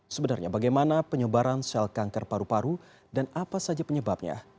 sebenarnya bagaimana penyebaran sel kanker paru paru dan apa saja penyebabnya